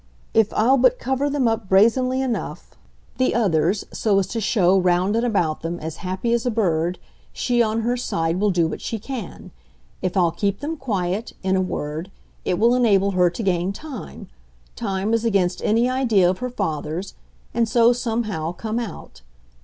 If I'll but cover them up brazenly enough, the others, so as to show, round and about them, as happy as a bird, she on her side will do what she can. If I'll keep them quiet, in a word, it will enable her to gain time time as against any idea of her father's and so, somehow, come out.